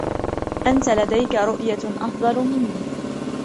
أنتَ لديكَ رؤية أفضل منى؟